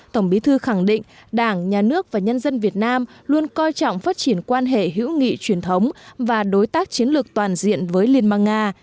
tổng bí thư khẳng định đảng nhà nước và nhân dân việt nam luôn coi trọng phát triển quan hệ hữu nghị truyền thống và đối tác chiến lược toàn diện với liên bang nga